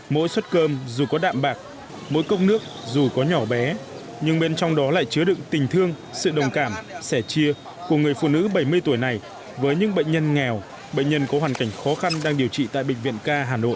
mỗi suất cơm dù có đạm bạc mỗi cốc nước dù có nhỏ bé nhưng bên trong đó lại chứa đựng tình thương sự đồng cảm sẻ chia của người phụ nữ bảy mươi tuổi này với những bệnh nhân nghèo bệnh nhân có hoàn cảnh khó khăn đang điều trị tại bệnh viện ca hà nội